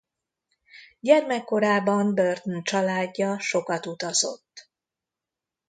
Gyermekkorában Burton családja sokat utazott.